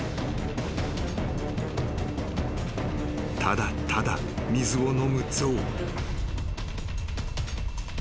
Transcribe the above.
［ただただ水を飲む象］